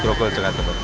groggol jakarta barat